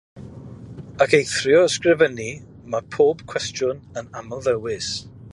Ac eithrio ysgrifennu, mae pob cwestiwn yn amlddewis.